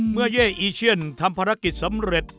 เย่อีเชียนทำภารกิจสำเร็จ